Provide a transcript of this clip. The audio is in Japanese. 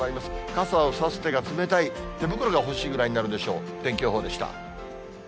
傘を差す手が冷たい、手袋が欲しいぐらいになるでしょう。